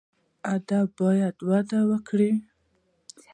ادب باید وده وکړي